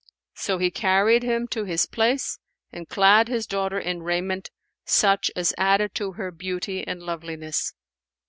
So he carried him to his place and clad his daughter in raiment, such as added to her beauty and loveliness.